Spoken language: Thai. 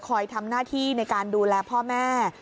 ทำหน้าที่ในการดูแลพ่อแม่